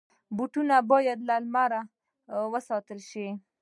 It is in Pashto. بوټونه باید له لمره وساتل شي.